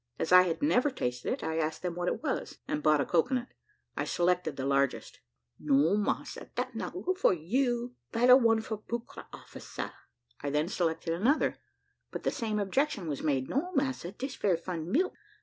As I had never tasted it, I asked them what it was, and bought a cocoa nut. I selected the largest. "No, massa, dat not good for you. Better one for buccra officer." I then selected another, but the same objection was made "No, massa, dis very fine milk.